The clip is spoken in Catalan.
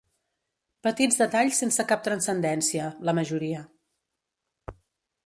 Petits detalls sense cap transcendència, la majoria.